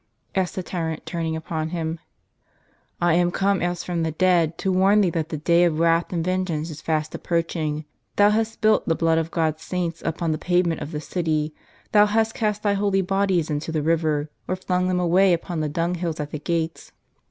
asked the tyrant, turning upon him. " I am come as from the dead, to warn thee that the day of wrath and vengeance is fast approaching. Thou hast spilt the blood of God's Saints upon the pavement of this city; thou hast cast their holy bodies into the river, or flung them away upon the dunghills at the gates.